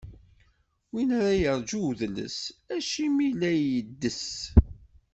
Win ara yeṛǧu udles, acimi i la yeddes?